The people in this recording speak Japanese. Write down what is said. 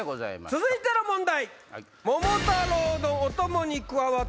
続いての問題。